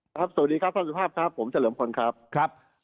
สวัสดีครับท่านสุภาพครับผมเฉลิมพลครับครับ